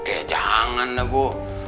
eh janganlah bu